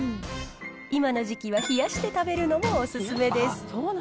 今の時期は冷やして食べるのもお勧めです。